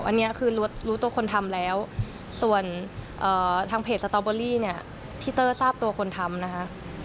อันนี้คือรู้ตัวคนทำแล้วส่วนทางเพจสตอเบอรี่เนี่ยที่เตอร์ทราบตัวคนทำนะคะ